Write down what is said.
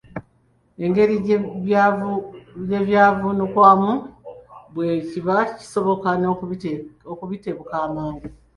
Engeri gye byavuunukwamu, bwe kiba kisoboka n’obitebuka mangu.